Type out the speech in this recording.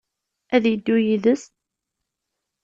Ad yeddu yid-s?